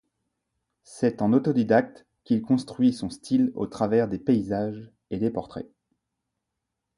C'est en autodidacte qu'il construit son style au travers des paysages et des portraits.